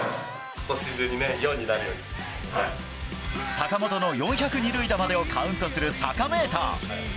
坂本の４００二塁打までをカウントするサカメーター。